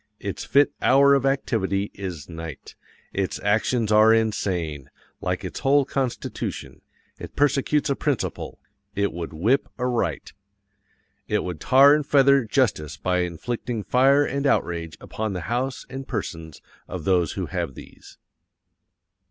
Its fit hour of activity is NIGHT. ITS ACTIONS ARE INSANE, like its whole constitution. It persecutes a principle IT WOULD WHIP A RIGHT. It would tar and feather justice by inflicting fire and outrage upon the house and persons of those who have these."